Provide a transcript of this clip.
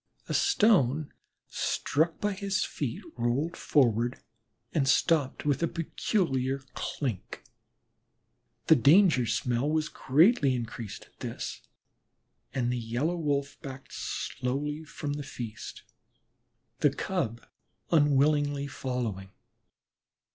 A stone struck by his feet rolled forward and stopped with a peculiar clink. The danger smell was greatly increased at this, and the Yellow Wolf backed slowly from the feast, the Cub unwillingly following.